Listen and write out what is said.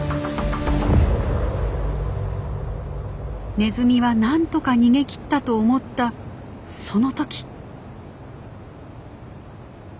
ネズミはなんとか逃げきったと思ったその時。